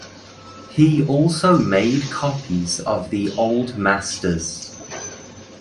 He also made copies of the Old Masters.